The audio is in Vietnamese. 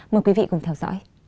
mời quý vị cùng theo dõi